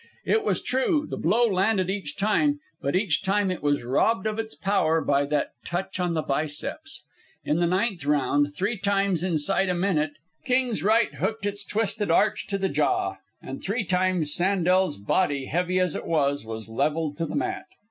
It was true, the blow landed each time; but each time it was robbed of its power by that touch on the biceps. In the ninth round, three times inside a minute, King's right hooked its twisted arch to the jaw; and three times Sandel's body, heavy as it was, was levelled to the mat.